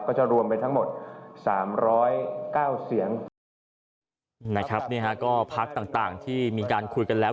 จะรวมไปทั้งหมดสามร้อยเก้าเสียงนะครับนี่ฮะก็พักต่างที่มีการคุยกันแล้ว